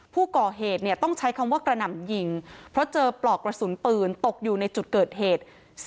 ผู้ก่อเหตุต้องใช้คำว่ากระหน่ำยิงเพราะเจอปลอกกระสุนปืนตกอยู่ในจุดเกิดเหตุ